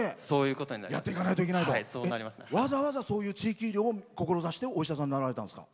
わざわざそういう地域を志してお医者さんになられたんですか？